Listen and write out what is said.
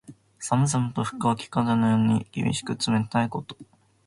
寒々と吹く秋風のように、厳しく冷たいこと。